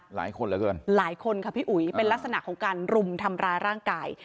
หลายคนเหลือเกินหลายคนค่ะพี่อุ๋ยเป็นลักษณะของการรุมทำร้ายร่างกาย